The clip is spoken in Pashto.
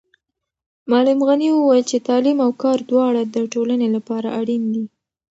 معلم غني وویل چې تعلیم او کار دواړه د ټولنې لپاره اړین دي.